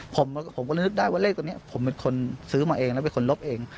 ผมก็นึกได้ว่าเลขตัวนี้ผมเป็นคนซื้อมาเองแล้วเป็นคนลบเอง